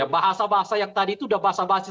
bahasa bahasa yang tadi itu udah bahasa bahasa